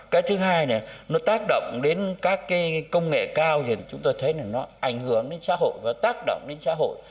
cái thứ hai là nó tác động đến các công nghệ cao chúng ta thấy là nó ảnh hưởng đến xã hội và tác động đến xã hội